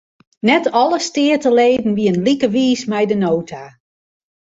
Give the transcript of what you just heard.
Net alle steateleden wienen like wiis mei de nota.